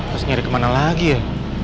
terus nyari kemana lagi ya